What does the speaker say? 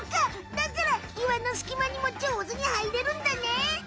だから岩のすきまにもじょうずに入れるんだね！